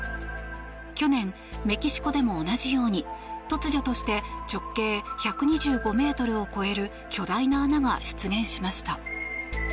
去年、メキシコでも同じように突如として直径１２５ｍを超える巨大な穴が出現しました。